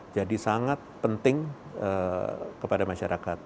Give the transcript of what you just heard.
jadi sangat penting kepada masyarakat